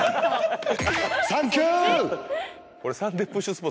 サンキュー。